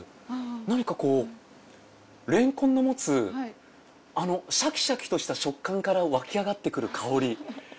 何かこうれんこんの持つあのシャキシャキとした食感からわきあがってくる香り。